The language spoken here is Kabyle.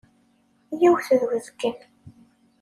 Yiwet d uzgen.